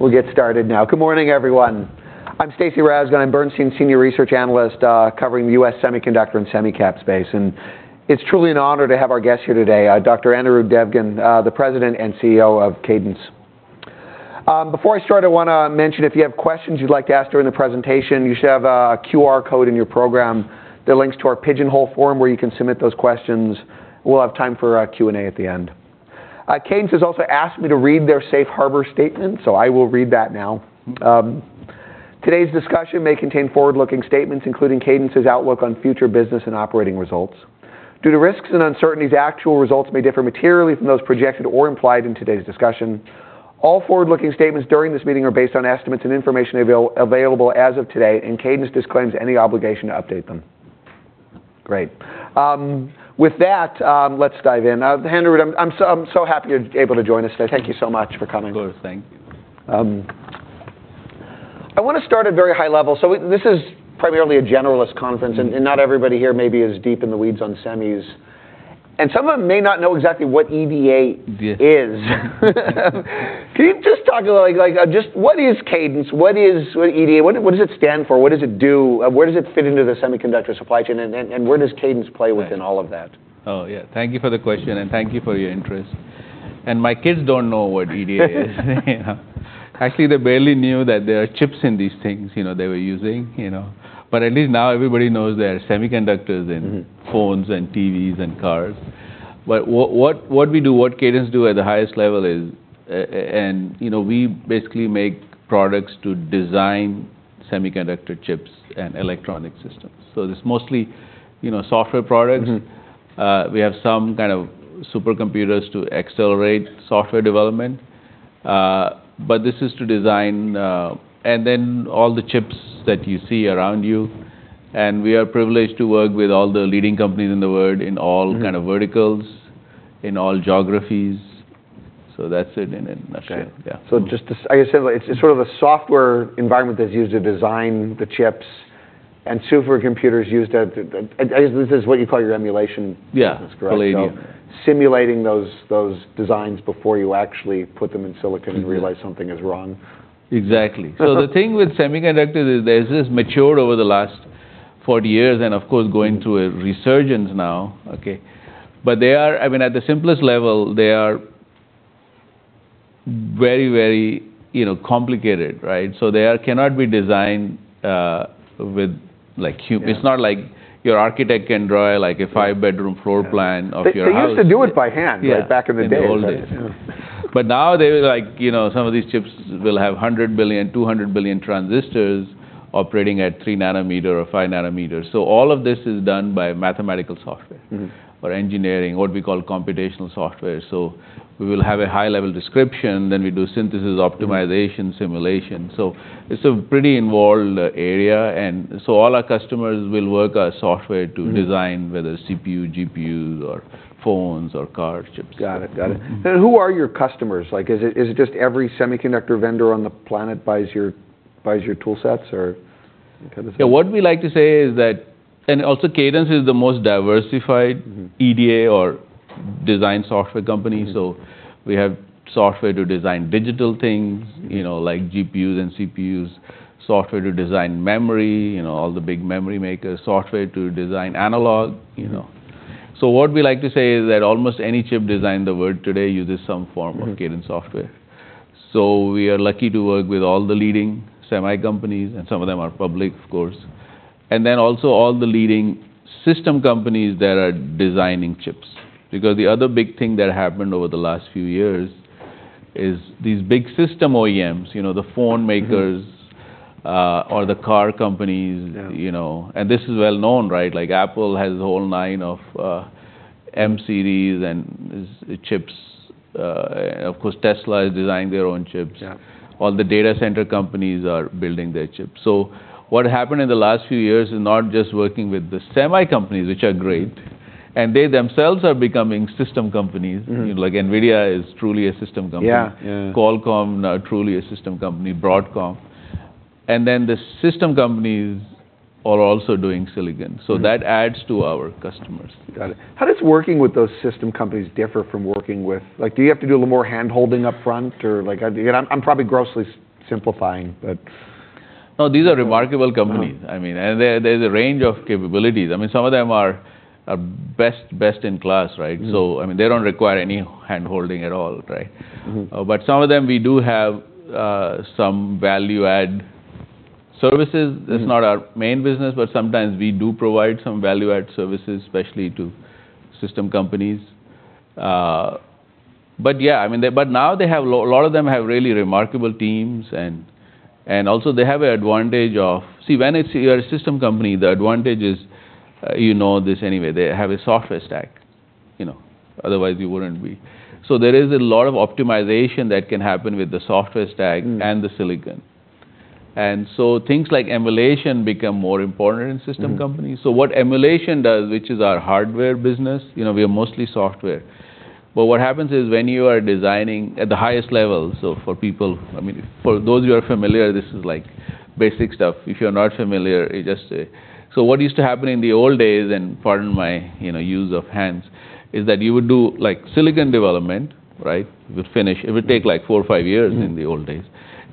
We'll get started now. Good morning, everyone. I'm Stacy Rasgon. I'm Bernstein Senior Research Analyst, covering the U.S. Semiconductor and Semicap space, and it's truly an honor to have our guest here today, Dr. Anirudh Devgan, the President and CEO of Cadence. Before I start, I wanna mention if you have questions you'd like to ask during the presentation, you should have a QR code in your program that links to our Pigeonhole forum, where you can submit those questions. We'll have time for a Q&A at the end. Cadence has also asked me to read their safe harbor statement, so I will read that now. Today's discussion may contain forward-looking statements, including Cadence's outlook on future business and operating results. Due to risks and uncertainties, actual results may differ materially from those projected or implied in today's discussion. All forward-looking statements during this meeting are based on estimates and information available as of today, and Cadence disclaims any obligation to update them. Great. With that, let's dive in. Anirudh, I'm so, I'm so happy you're able to join us today. Thank you so much for coming. Of course. Thank you. I wanna start at very high level. So, this is primarily a generalist conference- Mm. Not everybody here maybe is deep in the weeds on semis, and some of them may not know exactly what EDA is. Yeah. Can you just talk a little, like, just what is Cadence? What is EDA? What, what does it stand for? What does it do? Where does it fit into the semiconductor supply chain, and, and, and where does Cadence play within all of that? Oh, yeah. Thank you for the question, and thank you for your interest. My kids don't know what EDA is. Yeah. Actually, they barely knew that there are chips in these things, you know, they were using, you know? But at least now everybody knows there are semiconductors in- Mm-hmm ... phones and TVs and cars. But what we do, what Cadence do at the highest level is, you know, we basically make products to design semiconductor chips and electronic systems. So it's mostly, you know, software products. Mm-hmm. We have some kind of supercomputers to accelerate software development, but this is to design... and then all the chips that you see around you, and we are privileged to work with all the leading companies in the world, in all- Mm-hmm... kind of verticals, in all geographies. So that's it in a nutshell. Okay. Yeah. So just to, I guess, simply, it's, it's sort of a software environment that's used to design the chips and supercomputers used at the. I guess this is what you call your emulation- Yeah... business, correct? Yeah. So simulating those designs before you actually put them in silicon- Yeah... and realize something is wrong. Exactly. So the thing with semiconductors is this, this matured over the last 40 years and, of course, going through a resurgence now, okay? But they are- I mean, at the simplest level, they are very, very, you know, complicated, right? So they are cannot be designed with like hu- Yeah. It's not like your architect can draw, like, a five-bedroom floor plan- Yeah... of your house. They used to do it by hand- Yeah... like, back in the day, right? In the old days. Yeah. But now they, like, you know, some of these chips will have 100 billion, 200 billion transistors operating at 3 nanometer or 5 nanometers. So all of this is done by mathematical software- Mm-hmm... or engineering, what we call computational software. So we will have a high-level description, then we do synthesis, optimization- Mm... simulation. So it's a pretty involved area. And so all our customers will work our software to design- Mm... whether CPU, GPU, or phones or car chips. Got it. Got it. Mm-hmm. Then who are your customers? Like, is it, is it just every semiconductor vendor on the planet buys your, buys your toolsets, or kind of? Yeah, what we like to say is that... And also, Cadence is the most diversified- Mm-hmm... EDA or design software company. Mm-hmm. We have software to design digital things- Mm-hmm... you know, like GPUs and CPUs, software to design memory, you know, all the big memory makers, software to design analog, you know. So what we like to say is that almost any chip design in the world today uses some form of- Mm-hmm... Cadence software. So we are lucky to work with all the leading semi companies, and some of them are public, of course, and then also all the leading system companies that are designing chips. Because the other big thing that happened over the last few years is these big system OEMs, you know, the phone makers- Mm-hmm... or the car companies- Yeah... you know? And this is well known, right? Like, Apple has a whole line of, M-series and its chips. Of course, Tesla is designing their own chips. Yeah. All the data center companies are building their chips. So what happened in the last few years is not just working with the semi companies, which are great, and they themselves are becoming system companies. Mm-hmm. Like, NVIDIA is truly a system company. Yeah. Yeah. Qualcomm, truly a system company, Broadcom. And then the system companies are also doing silicon- Mm... so that adds to our customers. Got it. How does working with those system companies differ from working with—like, do you have to do a little more handholding upfront or like... Again, I'm probably grossly simplifying, but- No, these are remarkable companies. Um- I mean, and there, there's a range of capabilities. I mean, some of them are best in class, right? Mm. I mean, they don't require any handholding at all, right? Mm-hmm. But some of them, we do have some value-add services. Mm. It's not our main business, but sometimes we do provide some value-add services, especially to system companies. But yeah, I mean, but now they have a lot of them have really remarkable teams, and also they have an advantage of... See, when it's you're a system company, the advantage is, you know, this, anyway, they have a software stack, you know? Otherwise, you wouldn't be. So there is a lot of optimization that can happen with the software stack- Mm... and the silicon. And so things like emulation become more important in system companies. Mm. So what emulation does, which is our hardware business, you know, we are mostly software, but what happens is when you are designing at the highest level, so for people—I mean, for those who are familiar, this is like—basic stuff, if you're not familiar, it just— So what used to happen in the old days, and pardon my, you know, use of hands, is that you would do, like, silicon development, right? You would finish. It would take, like, four or five years. Mm... in the old days.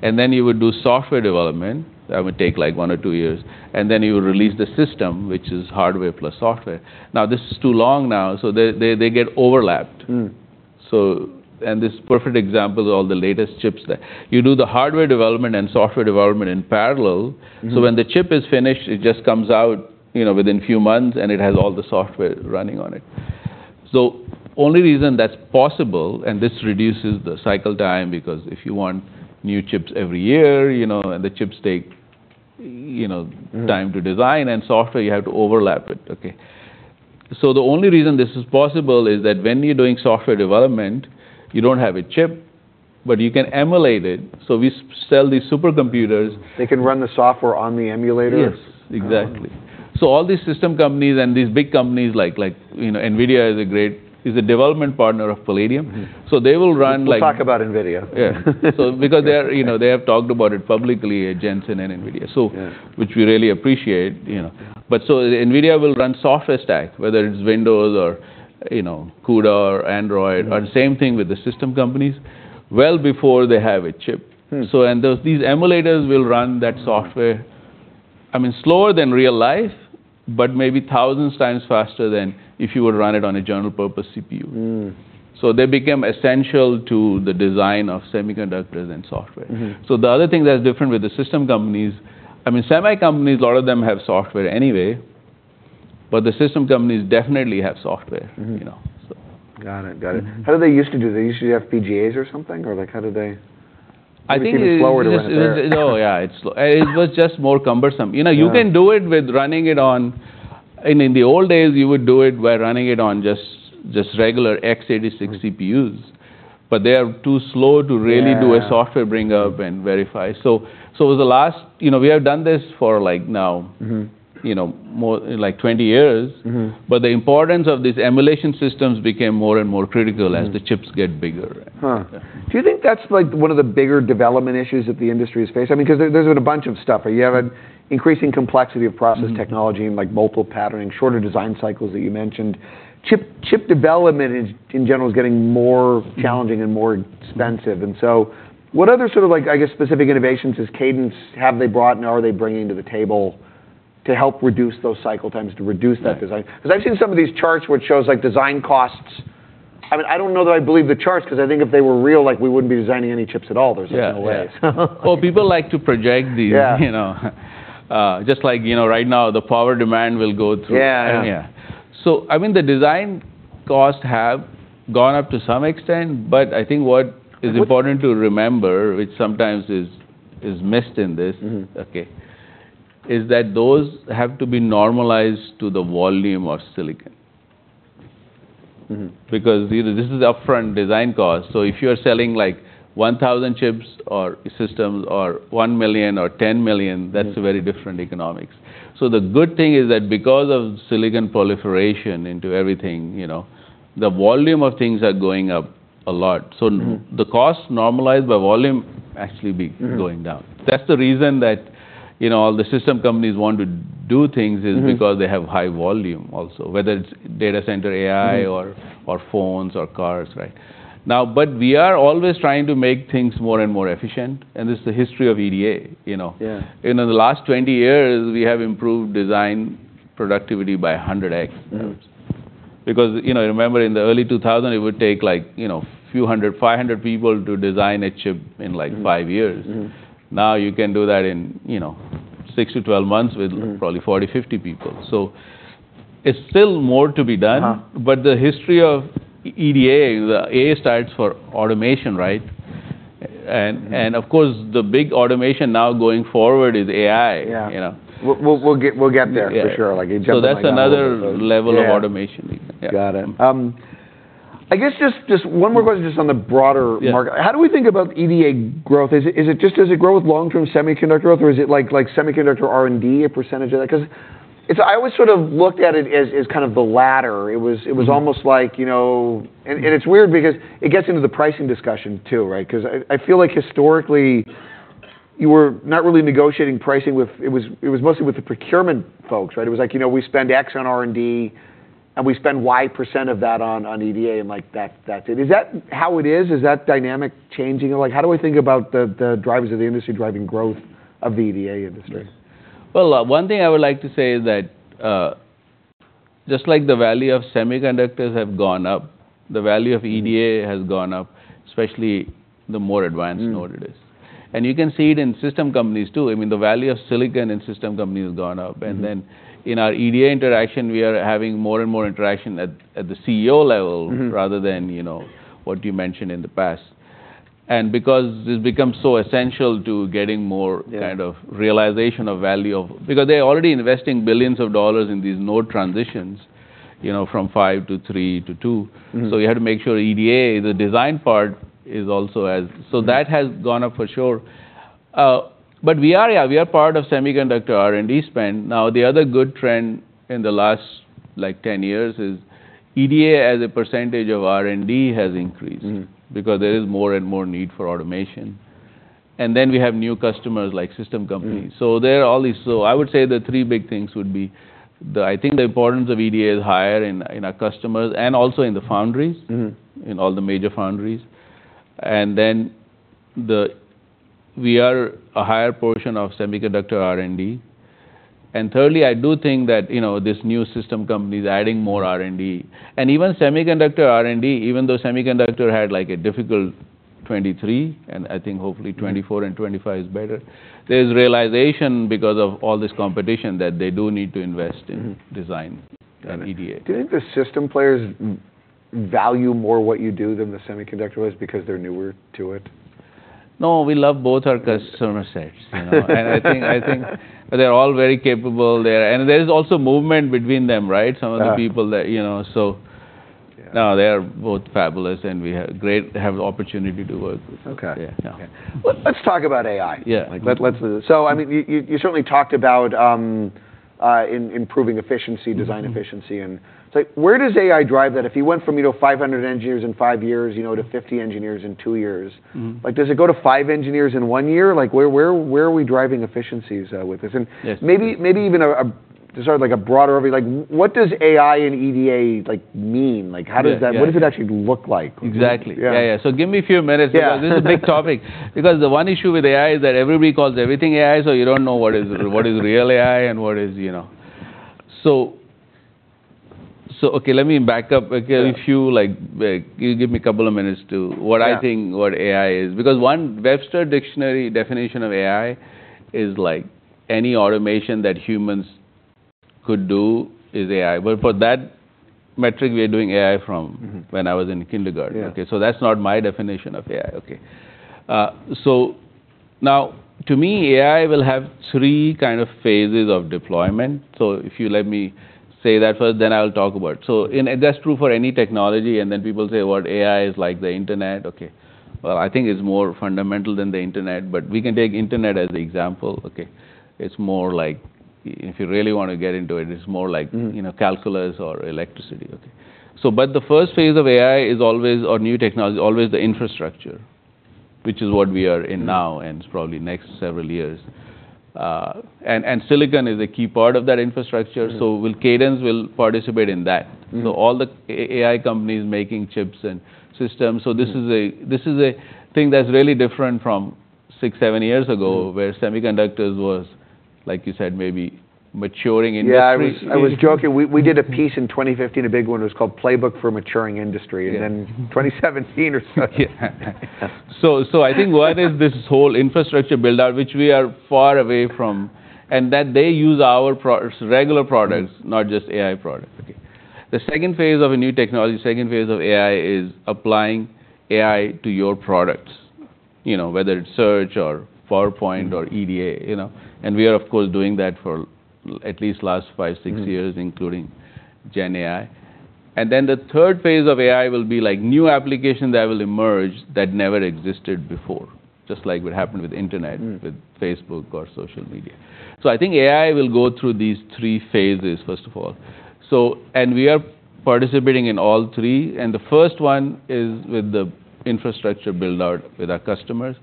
Then you would do software development. That would take, like, one or two years, and then you would release the system, which is hardware plus software. Now, this is too long now, so they get overlapped. Mm. This perfect example is all the latest chips there. You do the hardware development and software development in parallel- Mm-hmm. So when the chip is finished, it just comes out, you know, within few months, and it has all the software running on it. So only reason that's possible, and this reduces the cycle time, because if you want new chips every year, you know, and the chips take, you know- Mm... time to design and software, you have to overlap it, okay? So the only reason this is possible is that when you're doing software development, you don't have a chip, but you can emulate it. So we sell these supercomputers- They can run the software on the emulator? Yes, exactly. Oh. So all these system companies and these big companies like, you know, NVIDIA is a development partner of Palladium. Mm. So they will run like- We'll talk about NVIDIA. Yeah. So because they're, you know, they have talked about it publicly at Jensen and NVIDIA- Yeah... so which we really appreciate, you know. But so NVIDIA will run software stack, whether it's Windows or, you know, CUDA or Android- Mm... or same thing with the system companies, well, before they have a chip. Mm. So, these emulators will run that software- Mm... I mean, slower than real life, but maybe 1,000 times faster than if you were to run it on a general purpose CPU. Mm. They become essential to the design of semiconductors and software. Mm-hmm. So the other thing that's different with the system companies, I mean, semi companies, a lot of them have software anyway, but the system companies definitely have software- Mm-hmm... you know, so. Got it, got it. Mm. How do they used to do? They used to do FPGAs or something? Or, like, how did they- I think it- Make it slower to run it there? It... Oh, yeah, it's slow. It was just more cumbersome. You know- Yeah... you can do it with running it on—in the old days, you would do it by running it on just regular x86 CPUs, but they are too slow to really do- Yeah... a software bring up and verify. So, the last, you know, we have done this for, like, now- Mm-hmm... you know, more like 20 years. Mm-hmm. The importance of these emulation systems became more and more critical. Mm... as the chips get bigger. Huh. Do you think that's, like, one of the bigger development issues that the industry is facing? I mean, 'cause there, there's been a bunch of stuff. You have an increasing complexity of process- Mm... technology and, like, multiple patterning, shorter design cycles that you mentioned. Chip development is, in general, getting more- Mm... challenging and more expensive. Mm. What other sort of like, I guess, specific innovations is Cadence have they brought and are they bringing to the table to help reduce those cycle times, to reduce that design? Yeah. 'Cause I've seen some of these charts which shows, like, design costs. I mean, I don't know that I believe the charts, 'cause I think if they were real, like, we wouldn't be designing any chips at all. Yeah. There's just no way. Well, people like to project these- Yeah... you know? Just like, you know, right now, the power demand will go through. Yeah, yeah. Yeah. So I mean, the design costs have gone up to some extent, but I think what is important to remember- But-... which sometimes is missed in this- Mm-hmm... okay, is that those have to be normalized to the volume of silicon? Mm-hmm. Because, you know, this is upfront design cost, so if you're selling like 1,000 chips or systems or 1 million or 10 million- Mm... that's a very different economics. So the good thing is that because of silicon proliferation into everything, you know, the volume of things are going up a lot. Mm. So the cost normalized by volume actually be- Mm... going down. That's the reason that, you know, all the system companies want to do things- Mm-hmm... is because they have high volume also, whether it's data center AI- Mm... or phones or cars, right? Now, but we are always trying to make things more and more efficient, and this is the history of EDA, you know. Yeah. In the last 20 years, we have improved design productivity by 100x. Mm. Because, you know, remember in the early 2000, it would take like, you know, few hundred, 500 people to design a chip in, like- Mm... five years. Mm. Now, you can do that in, you know, six to 12 months- Mm... with probably 40, 50 people. So it's still more to be done. Uh-huh. The history of EDA, the A stands for automation, right? Mm. Of course, the big automation now going forward is AI- Yeah... you know. We'll get there. Yeah... for sure, like you said- So that's another level- Yeah... of automation. Yeah. Got it. I guess just one more question, just on the broader market. Yeah. How do we think about EDA growth? Is it just-does it grow with long-term semiconductor growth, or is it like semiconductor R&D, a percentage of that? 'Cause it's-I always sort of looked at it as kind of the latter. It was- Mm... it was almost like, you know. And it's weird because it gets into the pricing discussion too, right? 'Cause I feel like historically, you were not really negotiating pricing with... It was mostly with the procurement folks, right? It was like, you know, we spend X on R&D, and we spend Y% of that on EDA, and like, that's it. Is that how it is? Is that dynamic changing? Or like, how do we think about the drivers of the industry driving growth of EDA industry? Well, one thing I would like to say is that, just like the value of semiconductors have gone up, the value of EDA has gone up, especially the more advanced- Mm... node it is. You can see it in system companies, too. I mean, the value of silicon in system companies has gone up. Mm. Then, in our EDA interaction, we are having more and more interaction at the CEO level. Mm... rather than, you know, what you mentioned in the past. Because this becomes so essential to getting more- Yeah... kind of realization of value because they are already investing billions of dollars in these node transitions, you know, from five to three to two. Mm-hmm. You have to make sure EDA, the design part, is also as- Mm. So that has gone up for sure. But we are part of semiconductor R&D spend. Now, the other good trend in the last like, 10 years is EDA as a percentage of R&D has increased- Mm-hmm. Because there is more and more need for automation. And then we have new customers, like system companies. Mm. So I would say the three big things would be the—I think the importance of EDA is higher in our customers and also in the foundries. Mm-hmm. in all the major foundries. And then we are a higher portion of semiconductor R&D. And thirdly, I do think that, you know, this new system company is adding more R&D. And even semiconductor R&D, even though semiconductor had, like, a difficult 2023, and I think hopefully- Mm... 2024 and 2025 is better. There's realization because of all this competition, that they do need to invest in- Mm-hmm... design and EDA. Do you think the system players value more what you do than the semiconductor ones because they're newer to it? No, we love both our customer sets, you know. I think, I think they're all very capable. They're... And there's also movement between them, right? Yeah. Some of the people that, you know, Yeah. No, they are both fabulous, and we have the opportunity to work with them. Okay. Yeah, yeah. Okay. Let's talk about AI. Yeah. Let's do this. So I mean, you certainly talked about improving efficiency- Mm-hmm... design efficiency, and so where does AI drive that? If you went from, you know, 500 engineers in five years, you know, to 50 engineers in two years- Mm-hmm. Like, does it go to five engineers in one year? Like, where, where, where are we driving efficiencies with this? Yes. And maybe even to start, like, a broader overview, like, what does AI and EDA, like, mean? Yeah, yeah. Like, how does that... What does it actually look like? Exactly. Yeah. Yeah, yeah. So give me a few minutes... Yeah,... because this is a big topic. Because the one issue with AI is that everybody calls everything AI, so you don't know what is... what is real AI and what is, you know. So, so, okay, let me back up again. Yeah. If you, like, you give me a couple of minutes to- Yeah... what I think AI is. Because one Webster dictionary definition of AI is, like, any automation that humans could do is AI. Well, for that metric, we're doing AI from- Mm-hmm... when I was in kindergarten. Yeah. Okay, so that's not my definition of AI. Okay, so now, to me, AI will have three kind of phases of deployment. So if you let me say that first, then I'll talk about it. So and, and that's true for any technology, and then people say, "Well, AI is like the Internet," okay. Well, I think it's more fundamental than the Internet, but we can take Internet as an example, okay? It's more like... If you really want to get into it, it's more like- Mm... you know, calculus or electricity. Okay. So but the first phase of AI is always or new technology, always the infrastructure, which is what we are in now- Mm... and probably next several years. And silicon is a key part of that infrastructure- Mm... so will Cadence participate in that? Mm. So all the AI companies making chips and systems- Mm... so this is a, this is a thing that's really different from six, seven years ago- Mm... where semiconductors was, like you said, maybe maturing industry. Yeah, I was joking. We did a piece in 2015, a big one. It was called Playbook for Maturing Industry- Yeah, mm... and then 2017 or so. Yeah. So I think one is this whole infrastructure build-out, which we are far away from, and that they use our products, regular products- Mm... not just AI products. Okay. The second phase of a new technology, second phase of AI, is applying AI to your products. You know, whether it's Search or PowerPoint- Mm... or EDA, you know, and we are, of course, doing that for at least last five, six years- Mm... including GenAI. And then the third phase of AI will be like new applications that will emerge that never existed before, just like what happened with Internet- Mm... with Facebook or social media. So I think AI will go through these three phases, first of all. So and we are participating in all three, and the first one is with the infrastructure build-out with our customers,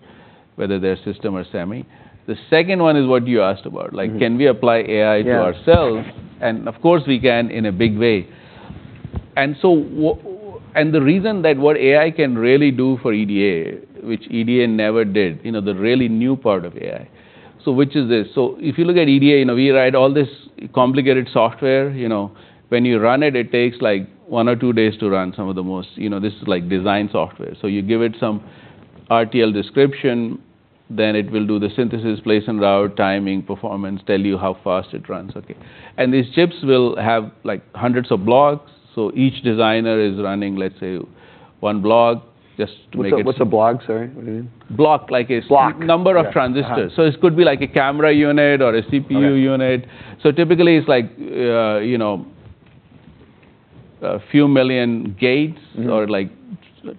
whether they're system or semi. The second one is what you asked about- Mm... like, can we apply AI to ourselves? Yeah. And of course, we can, in a big way. And so and the reason that what AI can really do for EDA, which EDA never did, you know, the really new part of AI, so which is this? So if you look at EDA, you know, we write all this complicated software. You know, when you run it, it takes, like, one or two days to run some of the most... You know, this is, like, design software. So you give it some RTL description, then it will do the synthesis, place, and route, timing, performance, tell you how fast it runs, okay? And these chips will have, like, hundreds of blocks, so each designer is running, let's say, one block, just to make it- What's a block? Sorry, what do you mean? Block, like a- Block... number of transistors. Yeah. Uh-huh. This could be, like, a camera unit or a CPU unit. Okay. Typically, it's like, you know, a few million gates- Mm... or like,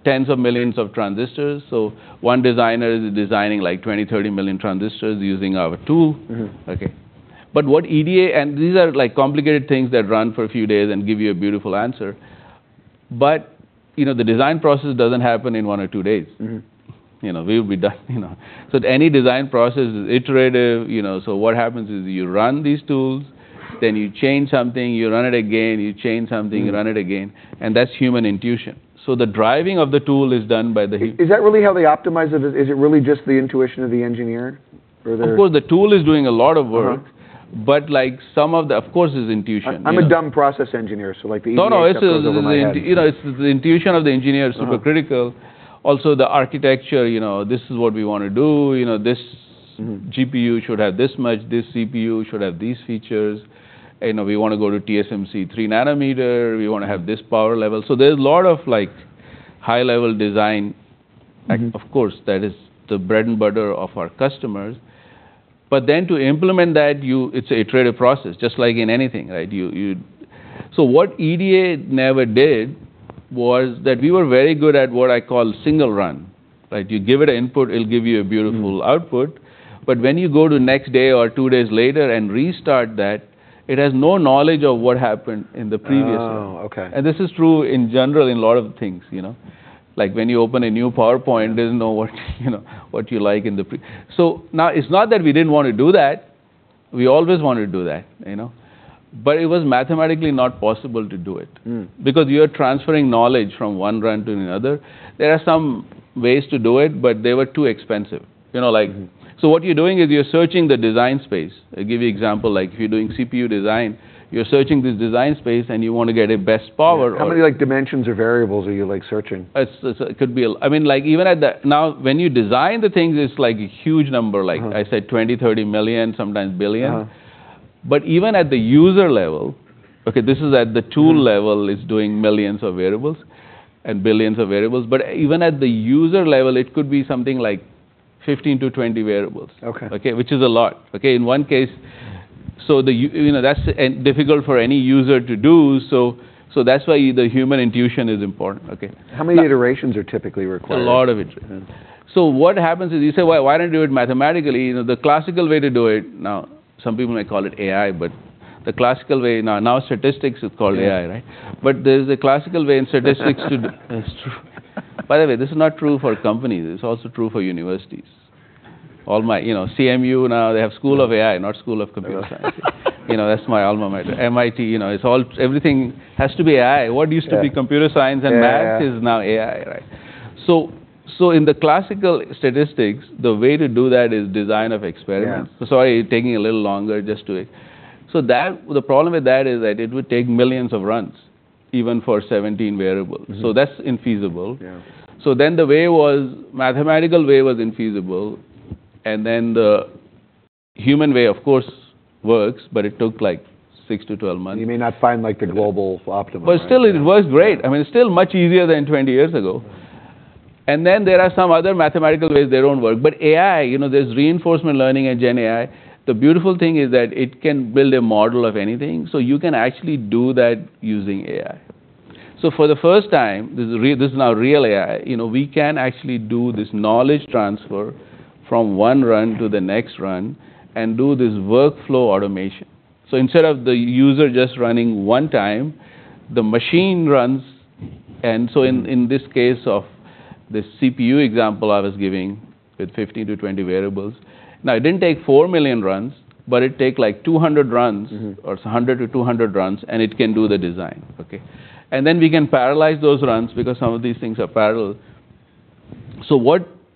tens of millions of transistors. So one designer is designing, like, 20-30 million transistors using our tool. Mm-hmm. Okay. But what EDA... And these are, like, complicated things that run for a few days and give you a beautiful answer. But, you know, the design process doesn't happen in one or two days. Mm-hmm. You know, we'll be done, you know. So any design process is iterative, you know, so what happens is you run these tools, then you change something, you run it again, you change something- Mm... you run it again, and that's human intuition. So the driving of the tool is done by the h- Is that really how they optimize it? Is it really just the intuition of the engineer, or there- Of course, the tool is doing a lot of work- Uh-huh... but, like, some of the, of course, it's intuition. I'm a dumb process engineer, so like the EDA- No, no... stuff is over my head. It is, you know, it's the intuition of the engineer- Uh-huh... super critical. Also, the architecture, you know, this is what we want to do, you know, this- Mm... GPU should have this much, this CPU should have these features, and we want to go to TSMC 3 nanometer. We want to have this power level. So there's a lot of, like, high-level design- Mm... of course, that is the bread and butter of our customers. But then to implement that, it's an iterative process, just like in anything, right? So what EDA never did was that we were very good at what I call single run. Like, you give it an input, it'll give you a beautiful output. Mm. When you go to the next day or two days later and restart that, it has no knowledge of what happened in the previous run. Oh, okay. This is true in general in a lot of things, you know? Like when you open a new PowerPoint, it doesn't know what, you know, what you like in the pre-- So now, it's not that we didn't want to do that. We always wanted to do that, you know? But it was mathematically not possible to do it. Mm. Because you are transferring knowledge from one run to another. There are some ways to do it, but they were too expensive. You know, like- Mm. So what you're doing is you're searching the design space. I'll give you example, like, if you're doing CPU design, you're searching this design space, and you want to get a best power or- How many, like, dimensions or variables are you, like, searching? It's-- It could be a... I mean, like, even at the-- Now, when you design the things, it's like a huge number. Mm. Like, I said, $20 million-$30 million, sometimes $1 billion. Uh-huh. But even at the user level... Okay, this is at the tool level- Mm... it's doing millions of variables and billions of variables, but even at the user level, it could be something like 15-20 variables. Okay. Okay? Which is a lot, okay, in one case. So, you know, that's difficult for any user to do, so, so that's why the human intuition is important. Okay. How many iterations are typically required? A lot of it. So what happens is, you say, "Well, why don't you do it mathematically?" You know, the classical way to do it. Now, some people may call it AI, but the classical way. Now, now statistics is called AI, right? But there's a classical way in statistics to do. That's true. By the way, this is not true for companies. It's also true for universities. All my. You know, CMU, now they have School of AI, not School of Computer Science. You know, that's my alma mater. MIT, you know, it's all. Everything has to be AI. Yeah. What used to be computer science and math- Yeah... is now AI, right? So, in the classical statistics, the way to do that is design of experiments. Yeah. Sorry, taking a little longer just to... So that, the problem with that is that it would take millions of runs, even for 17 variables. Mm-hmm. So that's infeasible. Yeah. So then, the mathematical way was infeasible, and then the human way, of course, works, but it took, like, six to 12 months. You may not find, like, the global optimum, right? But still, it works great. I mean, it's still much easier than 20 years ago. And then, there are some other mathematical ways that don't work, but AI, you know, there's reinforcement learning and gen AI. The beautiful thing is that it can build a model of anything, so you can actually do that using AI. So for the first time, this is real, this is now real AI, you know, we can actually do this knowledge transfer from one run to the next run and do this workflow automation. So instead of the user just running one time, the machine runs, and so- Mm... in this case of the CPU example I was giving, with 15-20 variables. Now, it didn't take 4 million runs, but it take, like, 200 runs- Mm-hmm... or 100-200 runs, and it can do the design, okay? And then we can parallelize those runs because some of these things are parallel.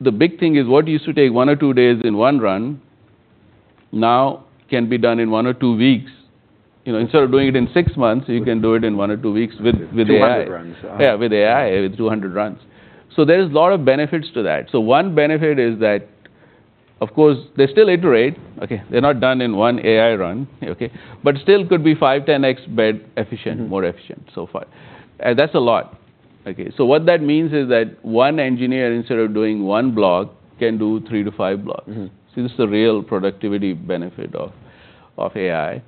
The big thing is, what used to take one or two days in one run now can be done in one or two weeks. You know, instead of doing it in six months, you can do it in one or two weeks with, with AI. 200 runs. Yeah, with AI, with 200 runs. So there's a lot of benefits to that. So one benefit is that, of course, they still iterate. Okay, they're not done in one AI run, okay? But still could be five, 10x better efficient- Mm... more efficient so far. That's a lot. Okay, so what that means is that one engineer, instead of doing one block, can do three to five blocks. Mm-hmm. So this is the real productivity benefit of, of AI.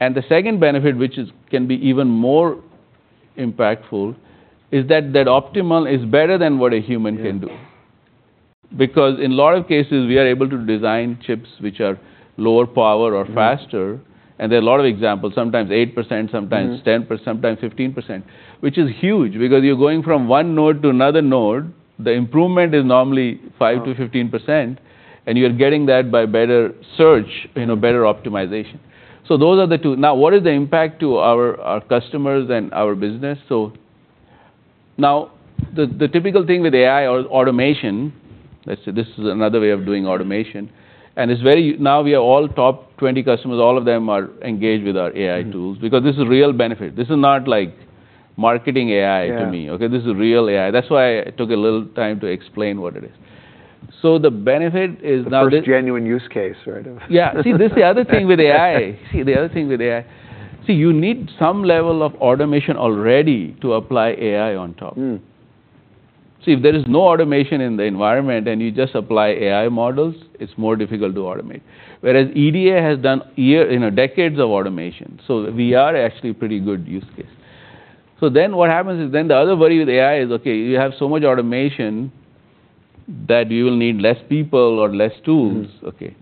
And the second benefit, which is, can be even more impactful, is that that optimal is better than what a human can do. Yeah. Because in a lot of cases, we are able to design chips which are lower power or faster- Mm.... and there are a lot of examples, sometimes 8%, sometimes- Mm... 10%, sometimes 15%, which is huge because you're going from one node to another node. The improvement is normally 5%-15%, and you're getting that by better search, you know, better optimization. So those are the two. Now, what is the impact to our customers and our business? So now, the typical thing with AI or automation, let's say this is another way of doing automation, and it's very. Now, we are all top 20 customers, all of them are engaged with our AI tools- Mm... because this is a real benefit. This is not like marketing AI to me. Yeah. Okay, this is a real AI. That's why I took a little time to explain what it is. The benefit is now this- The first genuine use case, right? Yeah. See, this is the other thing with AI: you need some level of automation already to apply AI on top. Mm. See, if there is no automation in the environment and you just apply AI models, it's more difficult to automate. Whereas EDA has done for years, you know, decades of automation, so we are actually pretty good use case. So then, what happens is then the other worry with AI is, okay, you have so much automation that you will need less people or less tools. Mm. Okay.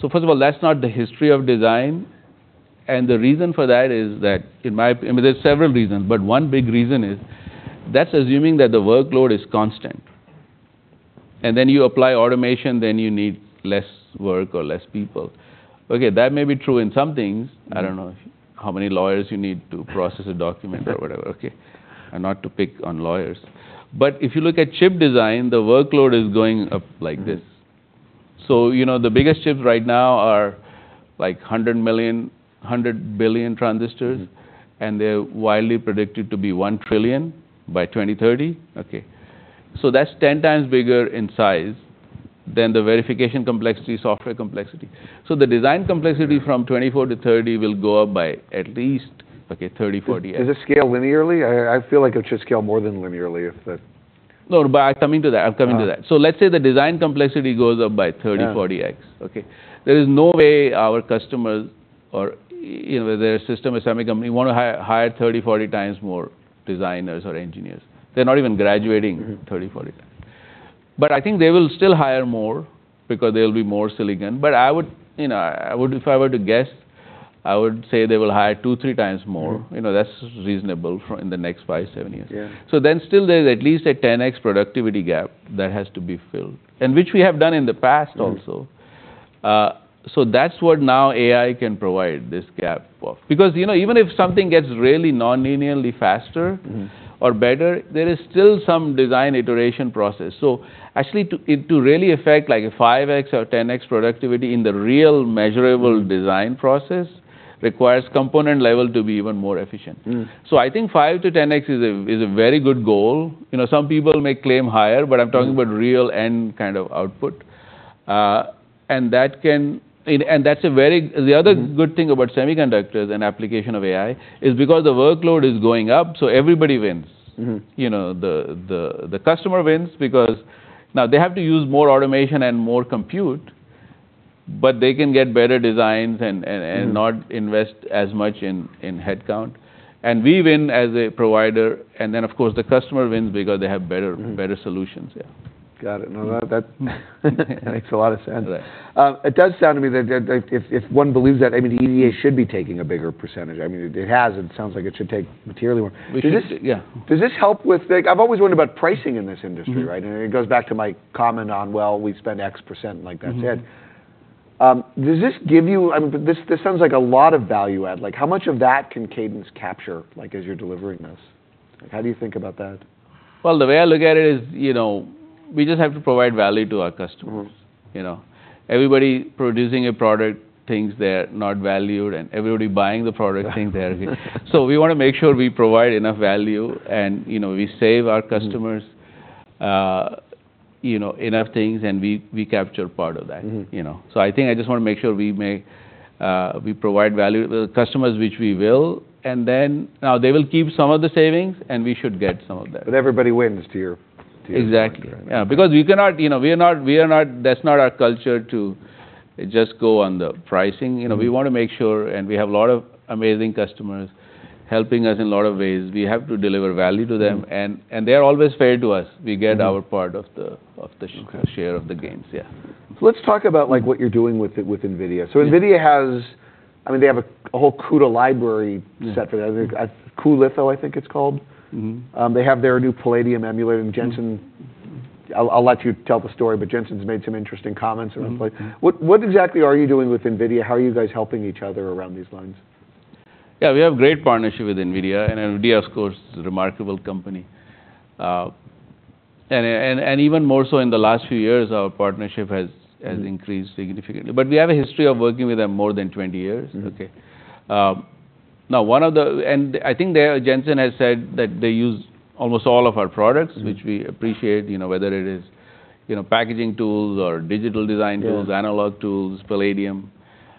So first of all, that's not the history of design, and the reason for that is that, in my opinion, I mean, there's several reasons, but one big reason is that's assuming that the workload is constant, and then you apply automation, then you need less work or less people. Okay, that may be true in some things. Mm. I don't know how many lawyers you need to process a document—... or whatever, okay, and not to pick on lawyers. But if you look at chip design, the workload is going up like this. Mm. So, you know, the biggest chips right now are, like, 100 million, 100 billion transistors. Mm. They're widely predicted to be 1 trillion by 2030. Okay. So that's 10x bigger in size than the verification complexity, software complexity. So the design complexity- Mm... from 24 to 30 will go up by at least, okay, 30-40 years. Does it scale linearly? I feel like it should scale more than linearly if the-... No, but I'm coming to that, I'm coming to that. Ah. Let's say the design complexity goes up by 30, Yeah... 40x, okay? There is no way our customers or, you know, their system or semi company want to hire, hire 30, 40 times more designers or engineers. They're not even graduating- Mm... 30, 40 times. But I think they will still hire more because there'll be more silicon. But I would, you know, I would- if I were to guess, I would say they will hire 2, 3 times more. Mm. You know, that's reasonable for in the next five, seven years. Yeah. Still there's at least a 10x productivity gap that has to be filled, and which we have done in the past also. Mm. So that's what now AI can provide this gap for. Because, you know, even if something gets really non-linearly faster- Mm... or better, there is still some design iteration process. So actually, to, to really affect like a five times or 10x productivity in the real measurable- Mm... design process, requires component level to be even more efficient. Mm. So I think five to 10x is a, is a very good goal. You know, some people may claim higher, but I'm- Mm... talking about real end kind of output. And that can... And that's a very- Mm... the other good thing about semiconductors and application of AI, is because the workload is going up, so everybody wins. Mm-hmm. You know, the customer wins because now they have to use more automation and more compute, but they can get better designs and, Mm... and not invest as much in headcount. And we win as a provider, and then, of course, the customer wins because they have better- Mm... better solutions. Yeah. Got it. No, that, that makes a lot of sense. Right. It does sound to me that if one believes that, I mean, the EDA should be taking a bigger percentage. I mean, it has, and it sounds like it should take materially more. We should- Does this- Yeah. Does this help with, like, I've always wondered about pricing in this industry, right? Mm-hmm. It goes back to my comment on, well, we spend X%, and like that's it. Mm-hmm. Does this give you... I mean, this, this sounds like a lot of value add. Like, how much of that can Cadence capture, like, as you're delivering this? Like, how do you think about that? Well, the way I look at it is, you know, we just have to provide value to our customers. Mm. You know, everybody producing a product thinks they're not valued, and everybody buying the product thinks they are. So we want to make sure we provide enough value, and, you know, we save our customers- Mm... you know, enough things, and we capture part of that. Mm-hmm. You know? So I think I just want to make sure we provide value to the customers, which we will, and then, now they will keep some of the savings, and we should get some of that. But everybody wins to you. Exactly. Right. Yeah, because we cannot, you know, we are not. That's not our culture to just go on the pricing. Mm. You know, we want to make sure, and we have a lot of amazing customers helping us in a lot of ways. We have to deliver value to them- Mm... and they're always fair to us. Mm. We get our part of the- Okay... share of the gains. Yeah. Let's talk about, like, what you're doing with NVIDIA. Yeah. So NVIDIA has—I mean, they have a whole CUDA library- Mm... set for that. I think, cuLitho, I think it's called. Mm-hmm. They have their new Palladium Emulator- Mm... Jensen. Mm. I'll let you tell the story, but Jensen's made some interesting comments around like Mm, mm. What, what exactly are you doing with NVIDIA? How are you guys helping each other around these lines? Yeah, we have great partnership with NVIDIA, and NVIDIA, of course, is a remarkable company. Even more so in the last few years, our partnership has, Mm... has increased significantly. But we have a history of working with them more than 20 years. Mm. Okay. Now, one of the... And I think there, Jensen has said that they use almost all of our products- Mm... which we appreciate, you know, whether it is, you know, packaging tools or digital design tools- Yeah... analog tools, Palladium.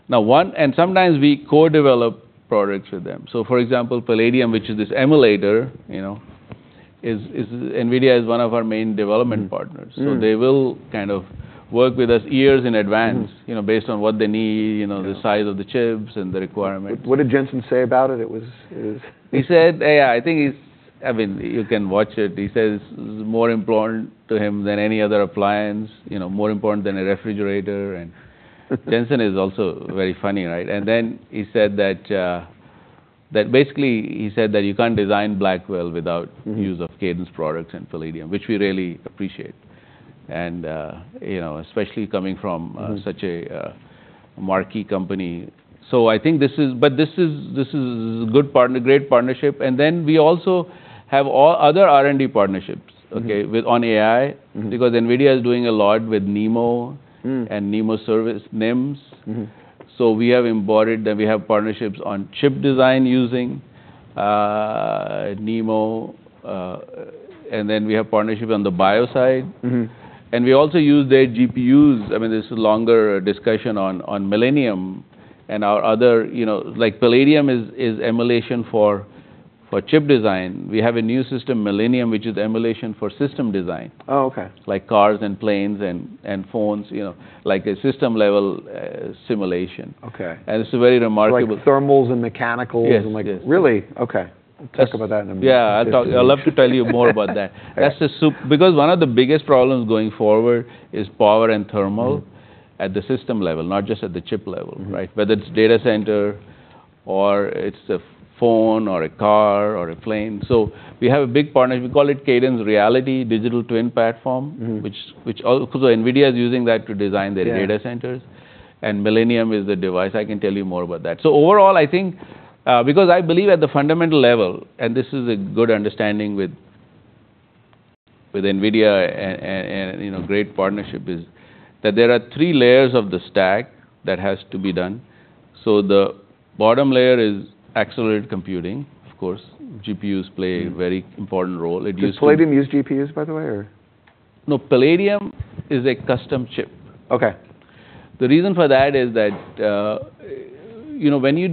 Now, one—and sometimes we co-develop products with them. So, for example, Palladium, which is this emulator, you know, is NVIDIA is one of our main development partners. Mm. Mm. So they will kind of work with us years in advance- Mm... you know, based on what they need, you know- Yeah... the size of the chips and the requirements. What did Jensen say about it? It was, it was, He said, AI, I think he's—I mean, you can watch it. He says it's more important to him than any other appliance, you know, more important than a refrigerator. Jensen is also very funny, right? And then he said that, that basically, he said that you can't design Blackwell without- Mm... use of Cadence products and Palladium, which we really appreciate. And, you know, especially coming from- Mm... such a marquee company. So I think this is, but this is, this is good partner, great partnership. And then we also have all other R&D partnerships- Mm... okay, with on AI- Mm... because NVIDIA is doing a lot with NeMo- Mm... and NeMo Service, NIMs. Mm-hmm. So we have embodied them. We have partnerships on chip design using NeMo, and then we have partnership on the bio side. Mm-hmm. And we also use their GPUs. I mean, there's a longer discussion on Millennium and our other—you know, like Palladium is emulation for chip design. We have a new system, Millennium, which is emulation for system design. Oh, okay. Like cars and planes and phones, you know, like a system-level simulation. Okay. And it's a very remarkable- Like thermals and mechanicals- Yes, yes... like, Really? Okay. Yes. Let's talk about that in a minute. Yeah, I'd love to tell you more about that. Yeah. That's because one of the biggest problems going forward is power and thermal. Mm... at the system level, not just at the chip level. Mm-hmm. Right? Whether it's data center or it's a phone or a car or a plane. So we have a big partner. We call it Cadence Reality Digital Twin Platform- Mm-hmm... which also, because NVIDIA is using that to design their data centers. Yeah. And Millennium is the device. I can tell you more about that. So overall, I think, because I believe at the fundamental level, and this is a good understanding with NVIDIA, and you know, great partnership is, that there are three layers of the stack that has to be done. So the bottom layer is accelerated computing. Of course, GPUs play- Mm... a very important role. It used to- Does Palladium use GPUs, by the way, or?... No, Palladium is a custom chip. Okay. The reason for that is that, you know, when you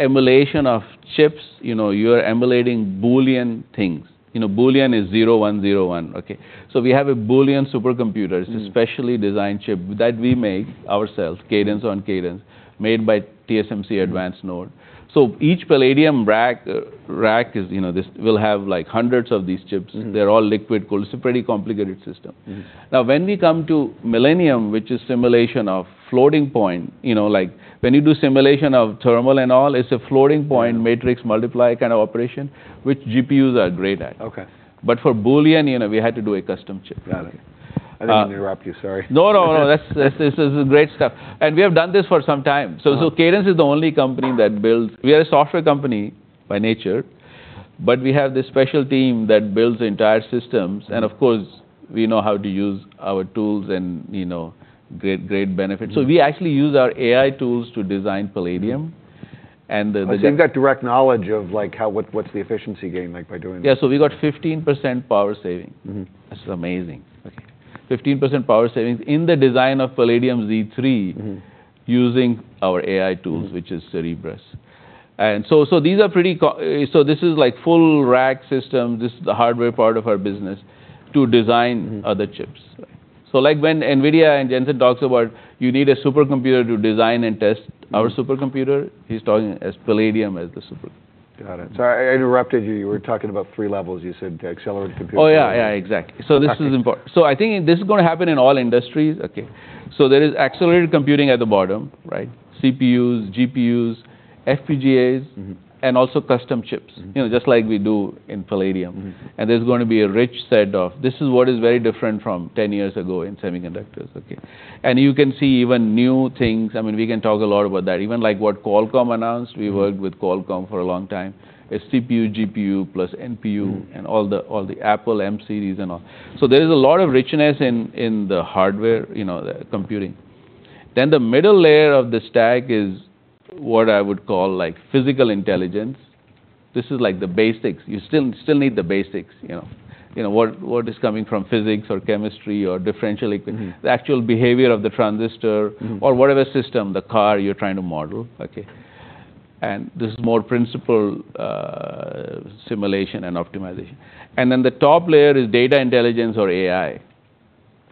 do emulation of chips, you know, you're emulating Boolean things. You know, Boolean is 0, 1, 0, 1. Okay? So we have a Boolean supercomputer- Mm. It's a specially designed chip that we make ourselves, Cadence on Cadence, made by TSMC advanced node. So each Palladium rack, rack is, you know, this will have, like, hundreds of these chips. Mm. They're all liquid cooled. It's a pretty complicated system. Mm. Now, when we come to Millennium, which is simulation of floating point, you know, like, when you do simulation of thermal and all, it's a floating point- Yeah... matrix multiply kind of operation, which GPUs are great at. Okay. But for Boolean, you know, we had to do a custom chip. Got it. Okay. Uh- I didn't mean to interrupt you, sorry. No, no, no. That's, this, this is great stuff, and we have done this for some time. Mm. So, Cadence is the only company that builds... We are a software company by nature, but we have this special team that builds the entire systems. Mm. Of course, we know how to use our tools and, you know, great, great benefit. Mm. So we actually use our AI tools to design Palladium. Mm. And the So you've got direct knowledge of, like, how, what, what's the efficiency gain, like, by doing this? Yeah, so we got 15% power saving. Mm-hmm. This is amazing. Okay. 15% power savings in the design of Palladium Z3- Mm... using our AI tools- Mm which is Cerebrus. And so, these are pretty, so this is like full rack system, this is the hardware part of our business, to design- Mm... other chips. Right. So, like, when NVIDIA and Jensen talks about you need a supercomputer to design and test- Mm... our supercomputer, he's talking about Palladium as the supercomputer. Got it. Sorry, I, I interrupted you. You were talking about three levels, you said, to accelerate computing. Oh, yeah, yeah, exactly. Okay. This is important. I think this is going to happen in all industries. Okay, so there is accelerated computing at the bottom, right? CPUs, GPUs, FPGAs- Mm-hmm... and also custom chips- Mm... you know, just like we do in Palladium. Mm-hmm. There's going to be a rich set of. This is what is very different from 10 years ago in semiconductors, okay? You can see even new things. I mean, we can talk a lot about that. Even, like, what Qualcomm announced- Mm... we worked with Qualcomm for a long time. It's CPU, GPU, plus NPU- Mm... and all the Apple M-series and all. So there is a lot of richness in the hardware, you know, the computing. Then the middle layer of the stack is what I would call, like, physical intelligence. This is, like, the basics. You still need the basics, you know. You know, what is coming from physics or chemistry or differential equations- Mm-hmm... the actual behavior of the transistor- Mm-hmm... or whatever system, the car you're trying to model. Okay? And this is more principle simulation and optimization. And then the top layer is data intelligence or AI,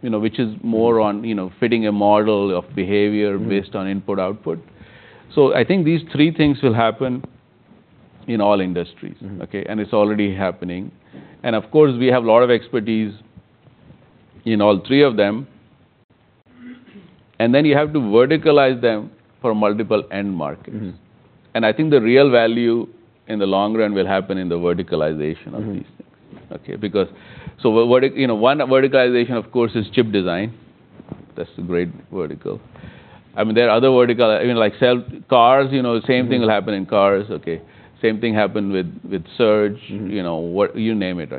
you know, which is more on- Mm... you know, fitting a model of behavior- Mm... based on input, output. So I think these three things will happen in all industries. Mm-hmm. Okay, and it's already happening. And of course, we have a lot of expertise in all three of them. And then you have to verticalize them for multiple end markets. Mm-hmm. I think the real value in the long run will happen in the verticalization of these things. Mm. Okay, because... So you know, one verticalization, of course, is chip design. That's a great vertical. I mean, there are other vertical, I mean, like, sell cars, you know- Mm... same thing will happen in cars. Okay, same thing happened with, with Search, Mm... you know, what, you name it.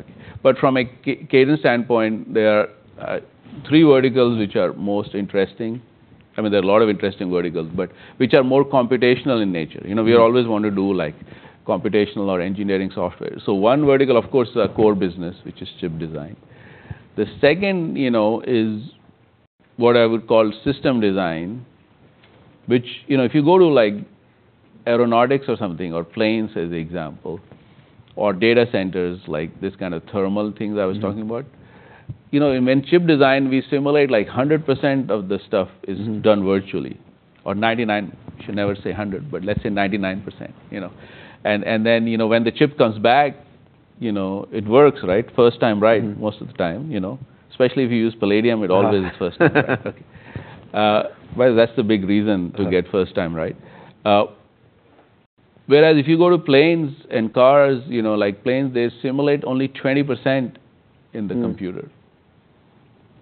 But from a Cadence standpoint, there are three verticals which are most interesting. I mean, there are a lot of interesting verticals, but which are more computational in nature. Mm. You know, we always want to do, like, computational or engineering software. So one vertical, of course, is our core business, which is chip design. The second, you know, is what I would call system design, which, you know, if you go to, like, aeronautics or something, or planes as example, or data centers, like, this kind of thermal things- Mm... I was talking about. You know, when chip design, we simulate like 100% of the stuff- Mm... is done virtually. Or 99, should never say hundred, but let's say 99%, you know? And, and then, you know, when the chip comes back, you know, it works, right? First time right- Mm... most of the time, you know. Especially if you use Palladium, it always is first time right. Well, that's the big reason- Right... to get first time right. Whereas if you go to planes and cars, you know, like planes, they simulate only 20% in the computer. Mm.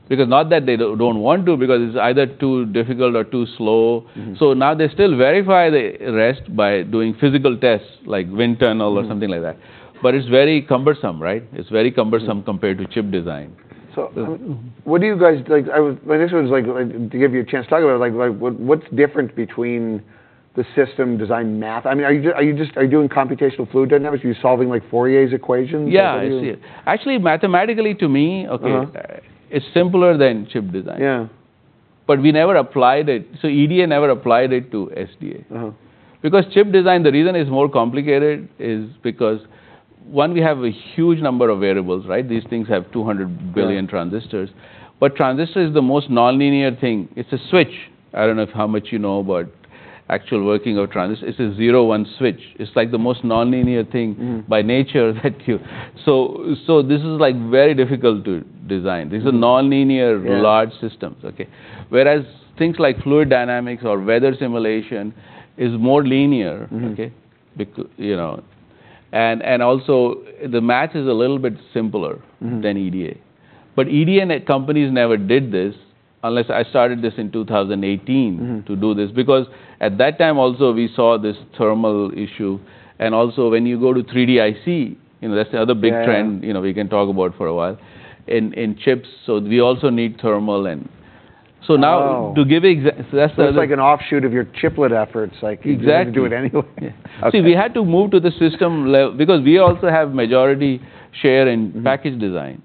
Because not that they don't want to, because it's either too difficult or too slow. Mm-hmm. So now they still verify the rest by doing physical tests, like wind tunnel- Mm... or something like that. But it's very cumbersome, right? It's very cumbersome compared to chip design. So- Mm... what do you guys, like, this one is, like, to give you a chance to talk about, like, what's different between the system design math? I mean, are you just doing computational fluid dynamics? Are you solving, like, Fourier's equations? Are you- Yeah, I see it. Actually, mathematically, to me, okay- Uh-huh... it's simpler than chip design. Yeah. But we never applied it, so EDA never applied it to SDA. Uh-huh. Because chip design, the reason it's more complicated is because, one, we have a huge number of variables, right? These things have 200 billion transistors. Yeah. But transistor is the most nonlinear thing. It's a switch. I don't know how much you know about actual working of transistor. It's a zero-one switch. It's, like, the most nonlinear thing- Mm ...by nature that you... So, so this is, like, very difficult to design. Mm. These are nonlinear- Yeah... large systems, okay? Whereas things like fluid dynamics or weather simulation is more linear- Mm-hmm... okay? You know, and also the math is a little bit simpler- Mm... than EDA. But EDA and their companies never did this, unless I started this in 2018- Mm... to do this. Because at that time also, we saw this thermal issue, and also when you go to 3D-IC, you know, that's the other big trend- Yeah... you know, we can talk about for a while, in chips, so we also need thermal and... So now to give exa- so that's the- Looks like an offshoot of your chiplet efforts, like- Exactly. You do it anyway. Okay. See, we had to move to the system level because we also have majority share in package design.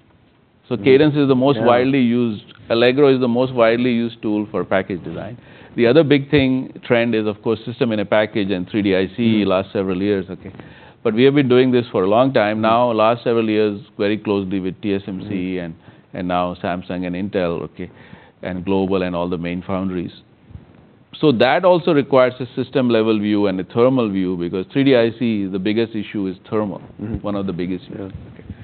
Mm. Cadence is the most- Yeah... widely used. Allegro is the most widely used tool for package design. The other big thing, trend is, of course, System-in-Package and 3D-IC- Mm... last several years, okay? But we have been doing this for a long time now, last several years, very closely with TSMC- Mm... and now Samsung and Intel, okay, and Global and all the main foundries. So that also requires a system-level view and a thermal view, because 3D-IC, the biggest issue is thermal. Mm. One of the biggest issues. Yeah. Okay.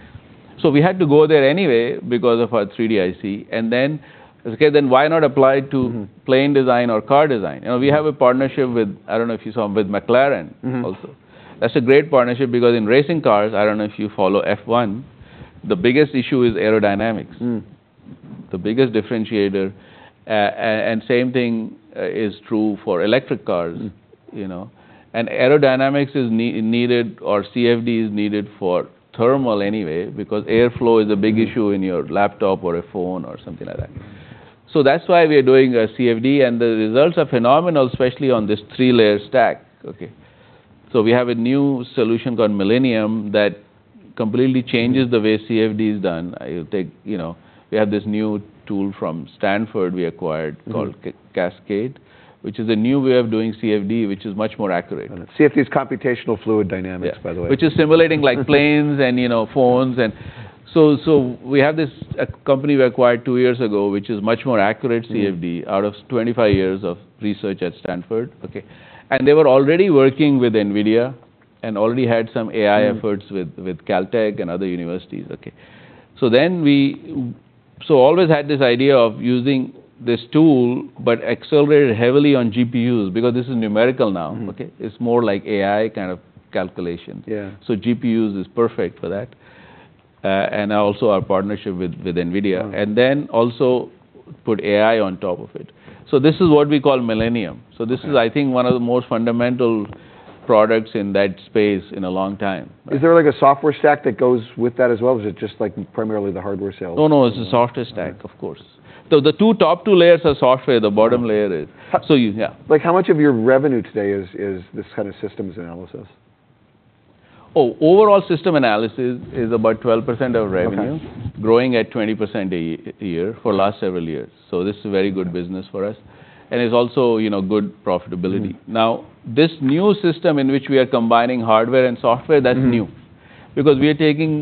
So we had to go there anyway because of our 3D-IC, and then, okay, then why not apply it to- Mm... plane design or car design? You know, we have a partnership with, I don't know if you saw, with McLaren- Mm-hmm... also. That's a great partnership because in racing cars, I don't know if you follow F1, the biggest issue is aerodynamics. Mm. The biggest differentiator. And same thing is true for electric cars- Mm... you know. And aerodynamics is needed, or CFD is needed for thermal anyway, because airflow is a big issue. Mm... in your laptop or a phone or something like that. So that's why we are doing a CFD, and the results are phenomenal, especially on this three-layer stack, okay? So we have a new solution called Millennium that completely changes- Mm... the way CFD is done. Take, you know, we have this new tool from Stanford we acquired- Mm... called Cascade, which is a new way of doing CFD, which is much more accurate. CFD is computational fluid dynamics. Yeah... by the way. Which is simulating, like, planes and, you know, phones. And so, so we have this, a company we acquired two years ago, which is much more accurate CFD- Mm... out of 25 years of research at Stanford, okay? And they were already working with NVIDIA, and already had some AI efforts with- Mm... with Caltech and other universities. Okay. So always had this idea of using this tool, but accelerated heavily on GPUs, because this is numerical now. Mm-hmm. Okay? It's more like AI kind of calculation. Yeah. So GPUs is perfect for that. And also our partnership with NVIDIA. Mm. Then also put AI on top of it. This is what we call Millennium. Okay. This is, I think, one of the most fundamental products in that space in a long time. Is there, like, a software stack that goes with that as well, or is it just, like, primarily the hardware sales? No, no, it's a software stack- Right... of course. So the two top two layers are software, the bottom layer is- Got- So, yeah. Like, how much of your revenue today is this kind of systems analysis? Oh, overall system analysis is about 12% of revenue- Okay... growing at 20% a year, for the last several years. So this is a very good business for us, and it's also, you know, good profitability. Mm. Now, this new system in which we are combining hardware and software- Mm... that's new. Because we are taking,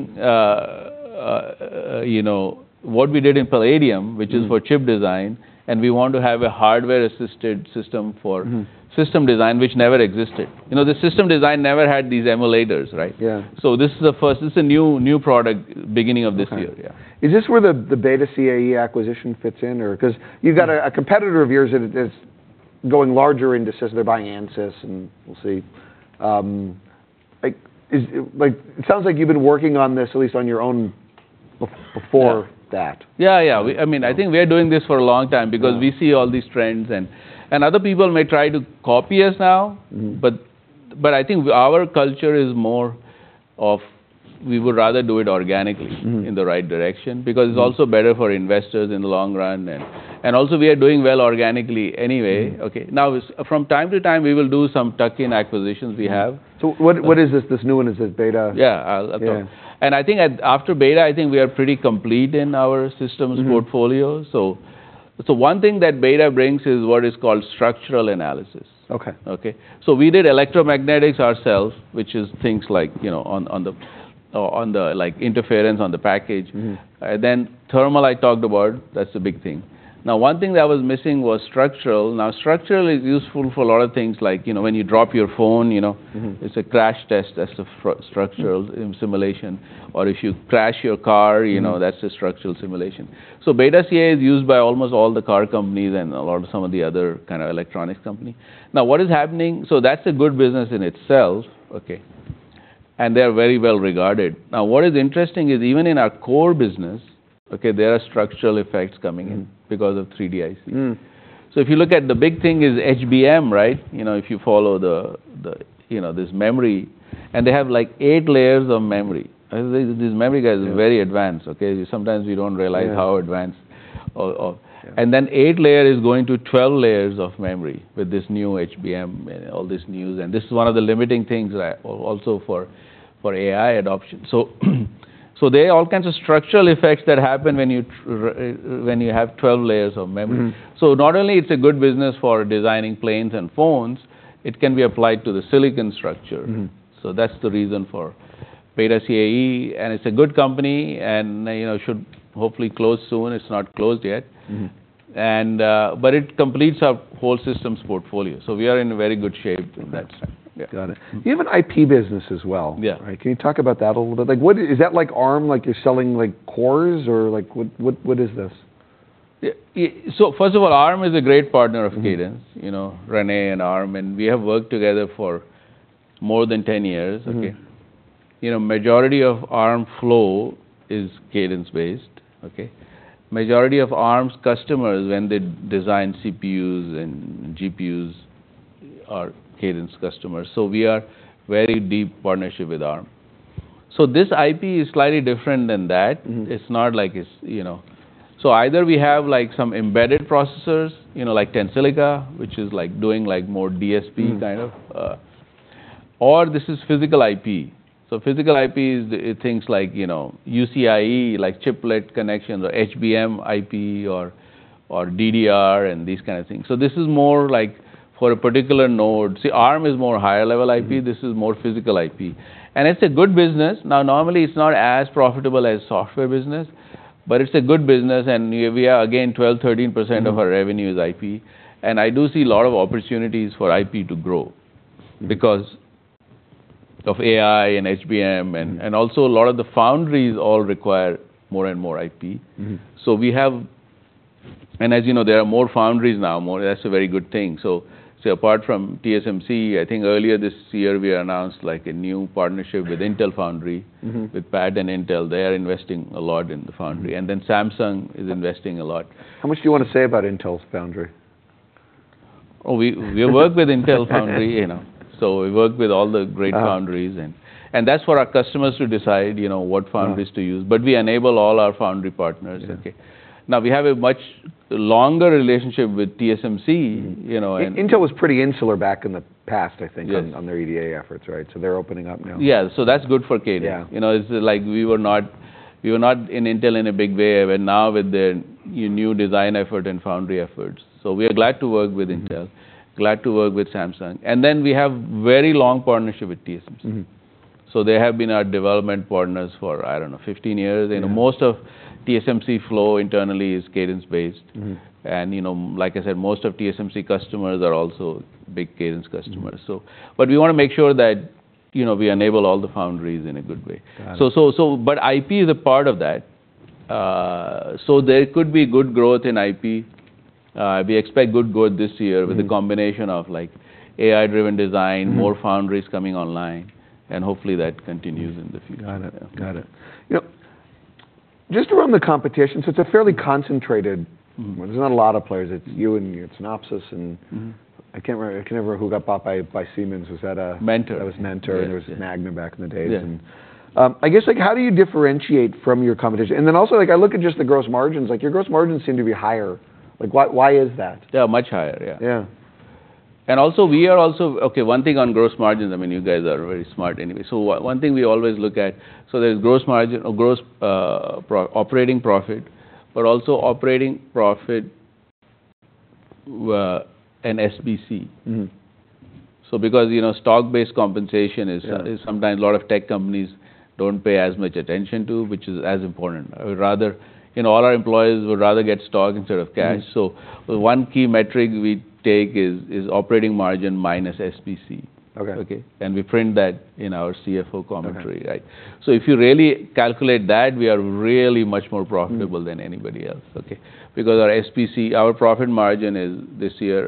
you know, what we did in Palladium- Mm... which is for chip design, and we want to have a hardware-assisted system for- Mm ... system design, which never existed. You know, the system design never had these emulators, right? Yeah. This is a first, this is a new, new product, beginning of this year. Okay. Yeah. Is this where the BETA CAE acquisition fits in, or... Because you've got a- Mm... a competitor of yours that is going larger into systems. They're buying Ansys, and we'll see. Like, is, like, it sounds like you've been working on this, at least on your own, be- Yeah... before that. Yeah, yeah. Mm... I mean, I think we are doing this for a long time- Yeah... because we see all these trends. And other people may try to copy us now- Mm... but I think our culture is more of we would rather do it organically- Mm... in the right direction. Mm... because it's also better for investors in the long run. And, and also we are doing well organically anyway. Mm. Okay? Now, from time to time, we will do some tuck-in acquisitions we have. What is this new one? Is it BETA? Yeah. Yeah. I think after BETA, I think we are pretty complete in our systems portfolio. Mm. So, one thing that BETA brings is what is called structural analysis. Okay. Okay? So we did electromagnetics ourselves, which is things like, you know, on the, like, interference on the package. Mm. Then thermal, I talked about, that's a big thing. Now, one thing that was missing was structural. Now, structural is useful for a lot of things, like, you know, when you drop your phone, you know. Mm-hmm. It's a crash test. That's a stru- Mm... structural simulation, or if you crash your car- Mm... you know, that's a structural simulation. So BETA CAE is used by almost all the car companies and a lot of some of the other kind of electronics company. Now, what is happening... So that's a good business in itself, okay, and they're very well-regarded. Now, what is interesting is even in our core business, okay, there are structural effects coming in- Mm... because of 3D-IC. Mm. So if you look at the big thing is HBM, right? You know, if you follow the you know, this memory, and they have, like, eight layers of memory. These memory guys- Yeah... are very advanced, okay? Sometimes we don't realize- Yeah... how advanced... Yeah. And then eight-layer is going to 12 layers of memory with this new HBM, all this news, and this is one of the limiting things, also for AI adoption. So there are all kinds of structural effects that happen when you have 12 layers of memory. Mm. So not only it's a good business for designing planes and phones, it can be applied to the silicon structure. Mm. So that's the reason for BETA CAE, and it's a good company, and, you know, should hopefully close soon. It's not closed yet. Mm-hmm. It completes our whole systems portfolio, so we are in very good shape in that. Got it. You have an IP business as well. Yeah. Right. Can you talk about that a little bit? Like, what- is that like Arm, like you're selling like cores or like, what, what, what is this? Yeah, yeah, so first of all, Arm is a great partner of Cadence. Mm. You know, Rene and Arm, and we have worked together for more than 10 years. Mm-hmm. Okay? You know, majority of Arm flow is Cadence-based, okay? Majority of Arm's customers, when they design CPUs and GPUs, are Cadence customers. So we are very deep partnership with Arm... so this IP is slightly different than that. Mm-hmm. It's not like it's, you know—so either we have, like, some embedded processors, you know, like Tensilica, which is, like, doing, like, more DSP- Mm -kind of, or this is physical IP. So physical IP is the things like, you know, UCIe, like chiplet connections or HBM IP or DDR and these kind of things. So this is more like for a particular node. See, Arm is more higher level IP- Mm. This is more physical IP, and it's a good business. Now, normally, it's not as profitable as software business, but it's a good business, and we, we are, again, 12%-13%- Mm of our revenue is IP, and I do see a lot of opportunities for IP to grow- Mm because of AI and HBM. Mm. Also, a lot of the foundries all require more and more IP. Mm-hmm. So we have, and as you know, there are more foundries now, more. That's a very good thing. So, so apart from TSMC, I think earlier this year, we announced, like, a new partnership with Intel Foundry. Mm-hmm. With Pat and Intel, they are investing a lot in the foundry. Mm. Samsung is investing a lot. How much do you want to say about Intel's foundry? Oh, we work with Intel Foundry—you know, so we work with all the great foundries. Ah. And that's for our customers to decide, you know, what foundries- Mm to use, but we enable all our foundry partners. Yeah. Okay. Now, we have a much longer relationship with TSMC, you know, and- Intel was pretty insular back in the past, I think- Yes... on their EDA efforts, right? So they're opening up now. Yeah. So that's good for Cadence. Yeah. You know, it's like we were not in Intel in a big way, and now with the, your new design effort and foundry efforts. So we are glad to work with Intel- Mm... glad to work with Samsung, and then we have very long partnership with TSMC. Mm-hmm. They have been our development partners for, I don't know, 15 years. Yeah. Most of TSMC flow internally is Cadence-based. Mm. You know, like I said, most of TSMC customers are also big Cadence customers. Mm. we wanna make sure that, you know, we enable all the foundries in a good way. Got it. So, but IP is a part of that. So there could be good growth in IP. We expect good growth this year- Mm... with a combination of, like, AI-driven design- Mm more foundries coming online, and hopefully that continues in the future. Got it. Yeah. Got it. You know, just around the competition, so it's a fairly- Mm... concentrated- Mm. There's not a lot of players. It's you and you, it's Synopsys and- Mm-hmm... I can't remember, I can't remember who got bought by, by Siemens. Was that a- Mentor. That was Mentor. Yeah. It was Magma back in the days. Yeah. I guess, like, how do you differentiate from your competition? And then also, like, I look at just the gross margins. Like, your gross margins seem to be higher. Like, why, why is that? They are much higher, yeah. Yeah. Okay, one thing on gross margins, I mean, you guys are very smart anyway. So one thing we always look at, so there's gross margin or gross operating profit, but also operating profit, and SBC. Mm. Because, you know, stock-based compensation is- Yeah... is sometimes a lot of tech companies don't pay as much attention to, which is as important. Rather, you know, all our employees would rather get stock instead of cash. Mm. One key metric we take is operating margin minus SBC. Okay. Okay? And we print that in our CFO commentary- Got it... right? So if you really calculate that, we are really much more profitable- Mm... than anybody else, okay? Because our SBC, our profit margin is, this year,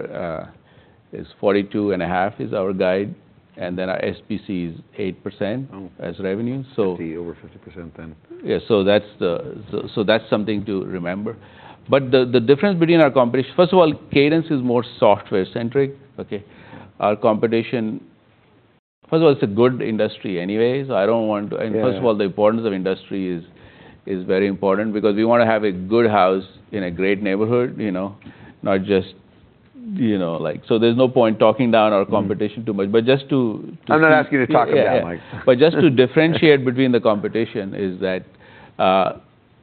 is 42.5%, is our guide, and then our SBC is 8%- Oh... as revenue, so- 50, over 50% then. Yeah, so that's something to remember. But the difference between our competition-first of all, Cadence is more software centric, okay? Our competition-first of all, it's a good industry anyways, I don't want to- Yeah... and first of all, the importance of industry is very important because we want to have a good house in a great neighborhood, you know, not just, you know, like. So there's no point talking down our competition. Mm... too much, but just to I'm not asking you to talk them down. Yeah, yeah. But just to differentiate between the competition is that,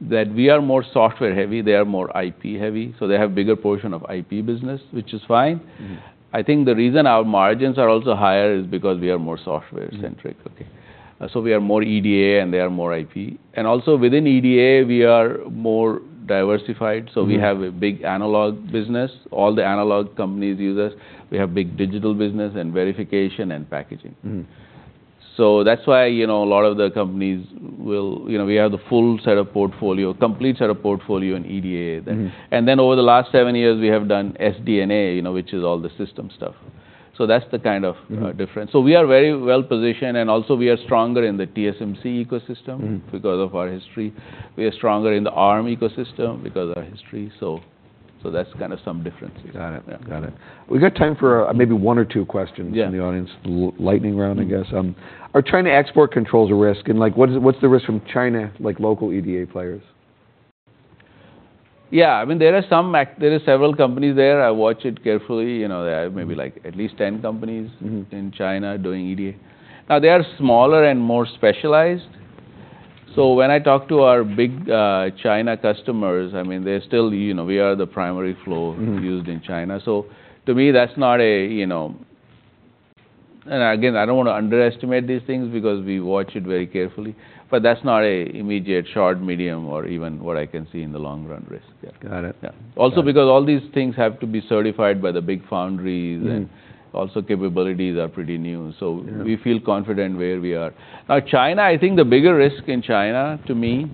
that we are more software heavy, they are more IP heavy, so they have bigger portion of IP business, which is fine. Mm. I think the reason our margins are also higher is because we are more software centric. Mm. Okay. So we are more EDA, and they are more IP. And also, within EDA, we are more diversified. Mm. We have a big analog business. All the analog companies use us. We have big digital business and verification and packaging. Mm. So that's why, you know, a lot of the companies will... You know, we have the full set of portfolio, complete set of portfolio in EDA. Mm. And then, over the last seven years, we have done SD&A, you know, which is all the system stuff. So that's the kind of- Mm... difference. So we are very well-positioned, and also we are stronger in the TSMC ecosystem- Mm... because of our history. We are stronger in the Arm ecosystem because of our history. So, so that's kind of some differences. Got it. Yeah. Got it. We've got time for, maybe one or two questions. Yeah... from the audience. Lightning round, I guess. Mm. Are China export controls a risk? And, like, what's the risk from China, like local EDA players? Yeah, I mean, there are several companies there. I watch it carefully, you know, maybe like at least ten companies- Mm... in China doing EDA. Now, they are smaller and more specialized. So when I talk to our big China customers, I mean, they're still, you know, we are the primary flow. Mm... used in China. So to me, that's not a, you know, and again, I don't want to underestimate these things because we watch it very carefully, but that's not a immediate short, medium, or even what I can see in the long run, risk. Yeah. Got it. Yeah. Got it. Also, because all these things have to be certified by the big foundries- Mm... and also capabilities are pretty new. Yeah. We feel confident where we are. Now, China, I think the bigger risk in China, to me,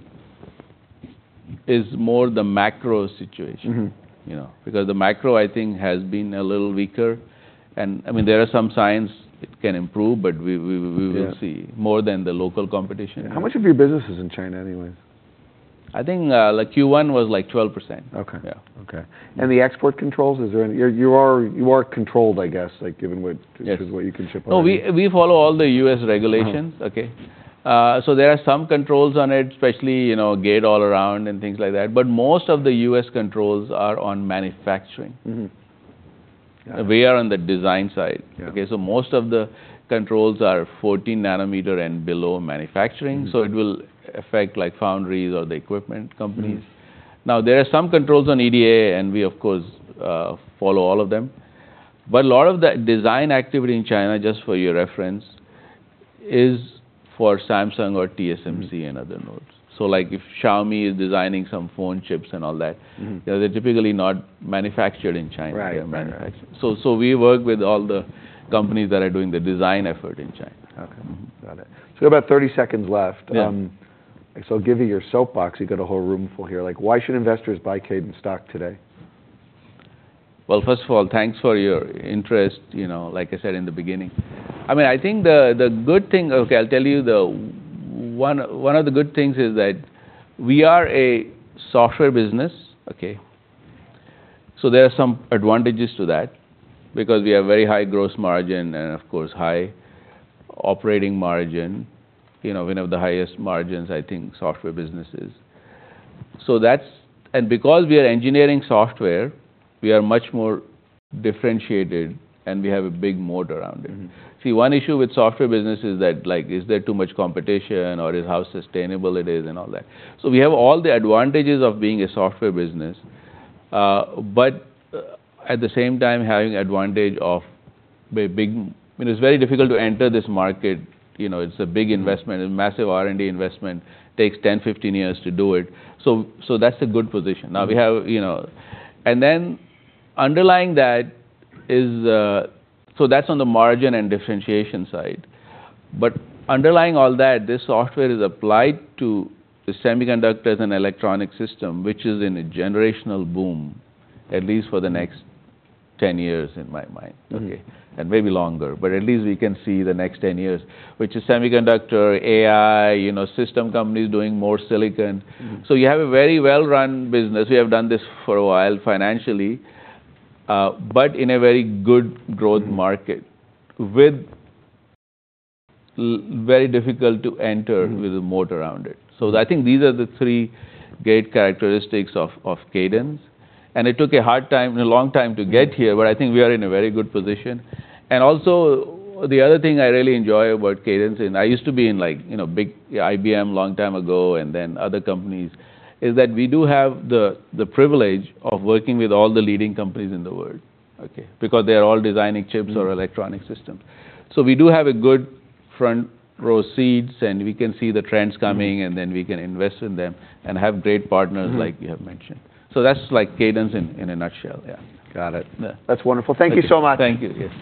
is more the macro situation. Mm-hmm. You know, because the macro, I think, has been a little weaker, and, I mean, there are some signs it can improve, but we will see- Yeah... more than the local competition. How much of your business is in China anyway? ... I think, like Q1 was like 12%. Okay. Yeah. Okay. And the export controls, is there any? You are controlled, I guess, like, given what- Yes because what you can ship out No, we follow all the U.S. regulations. Mm-hmm. Okay? So there are some controls on it, especially, you know, gate-all-around and things like that. But most of the U.S. controls are on manufacturing. Mm-hmm. Got it. We are on the design side. Yeah. Okay, so most of the controls are 14 nanometer and below manufacturing- Mm-hmm So it will affect, like, foundries or the equipment companies. Mm-hmm. Now, there are some controls on EDA, and we, of course, follow all of them. But a lot of the design activity in China, just for your reference, is for Samsung or TSMC- Mm-hmm -and other nodes. So, like, if Xiaomi is designing some phone chips and all that- Mm-hmm They're typically not manufactured in China. Right. Right, right. So, we work with all the companies that are doing the design effort in China. Okay. Mm-hmm. Got it. So we have about 30 seconds left. Yeah. I'll give you your soapbox. You've got a whole room full here. Like, why should investors buy Cadence stock today? Well, first of all, thanks for your interest, you know, like I said in the beginning. I mean, I think the good thing... Okay, I'll tell you one of the good things is that we are a software business, okay? So there are some advantages to that, because we have very high gross margin and, of course, high operating margin. You know, we have the highest margins, I think, software businesses. So that's. And because we are engineering software, we are much more differentiated, and we have a big moat around it. Mm-hmm. See, one issue with software business is that, like, is there too much competition or is how sustainable it is and all that. So we have all the advantages of being a software business, but, at the same time, having advantage of a big... I mean, it's very difficult to enter this market. You know, it's a big investment- Mm... a massive R&D investment, takes 10, 15 years to do it. So, so that's a good position. Mm. Now, we have, you know... And then underlying that is... So that's on the margin and differentiation side. But underlying all that, this software is applied to the semiconductors and electronic system, which is in a generational boom, at least for the next 10 years, in my mind. Okay. Maybe longer, but at least we can see the next 10 years, which is semiconductor, AI, you know, system companies doing more silicon. Mm. So you have a very well-run business. We have done this for a while financially, but in a very good growth market- Mm very difficult to enter. Mm -with a moat around it. So I think these are the three great characteristics of Cadence, and it took a hard time and a long time to get here- Mm But I think we are in a very good position. And also, the other thing I really enjoy about Cadence, and I used to be in like, you know, big... IBM long time ago, and then other companies, is that we do have the privilege of working with all the leading companies in the world, okay? Because they are all designing chips- Mm or electronic systems. So we do have a good front-row seats, and we can see the trends coming, and then we can invest in them and have great partners- Mm-hmm Like you have mentioned. So that's, like, Cadence in a nutshell. Yeah. Got it. Yeah. That's wonderful. Thank you so much. Thank you. Yes.